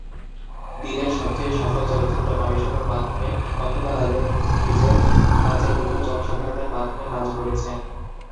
দিনের সবচেয়ে সফল চিত্রশিল্পী কমিশনের মাধ্যমে অথবা তাদের নিজের কাজের বৃহৎ জনসাধারণের মাধ্যমে কাজ করেছেন।